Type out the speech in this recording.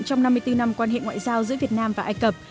trong năm mươi bốn năm quan hệ ngoại giao giữa việt nam và ai cập